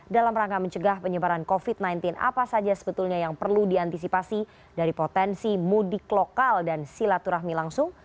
dalam rangka mencegah penyebaran covid sembilan belas apa saja sebetulnya yang perlu diantisipasi dari potensi mudik lokal dan silaturahmi langsung